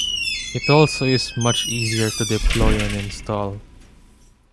It also is much easier to deploy and install.